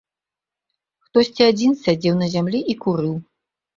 Хтосьці адзін сядзеў на зямлі і курыў.